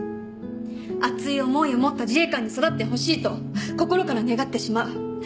熱い思いを持った自衛官に育ってほしいと心から願ってしまう。